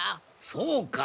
そうか。